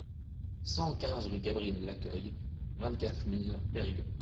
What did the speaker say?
cent quinze rue Gabriel Lacueille, vingt-quatre mille Périgueux